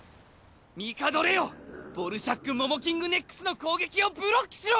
ミカドレオボルシャック・モモキングＮＥＸの攻撃をブロックしろ！